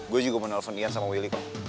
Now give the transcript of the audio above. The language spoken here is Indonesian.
gue juga mau nelfon ian sama willy kok